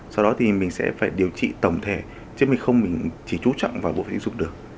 sau đó thì mình sẽ phải điều trị tổng thể chứ không mình chỉ trú trọng vào bộ tình dục được